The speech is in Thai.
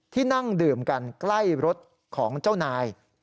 นั่งดื่มกันใกล้รถของเจ้านาย